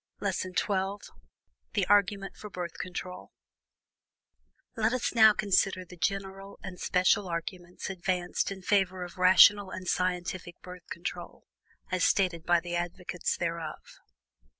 LESSON XII THE ARGUMENT FOR BIRTH CONTROL Let us now consider the general and special arguments advanced in favor of rational and scientific Birth Control, as stated by the advocates thereof.